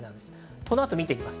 この後を見ていきます。